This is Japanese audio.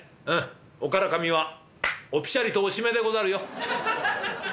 お唐紙はおピシャリとお閉めでござるよ」。